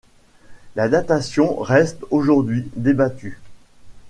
La datation reste aujourd'hui débattue.